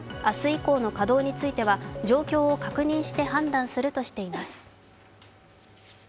明日以降の稼働については状況を確認して判断するとしています。